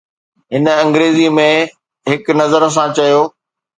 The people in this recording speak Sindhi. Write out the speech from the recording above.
هن انگريزيءَ ۾ هڪ نظر سان چيو.